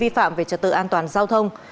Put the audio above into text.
vi phạm về trật tự an toàn giao thông